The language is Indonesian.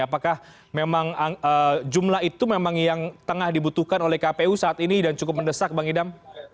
apakah memang jumlah itu memang yang tengah dibutuhkan oleh kpu saat ini dan cukup mendesak bang idam